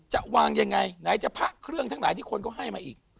จะวางยังไงไหนจะพระเครื่องทั้งหลายที่คนก็ให้มาอีก